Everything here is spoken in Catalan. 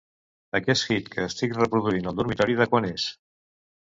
Aquest hit que estic reproduint al dormitori de quan és?